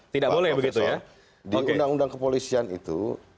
tidak boleh begitu ya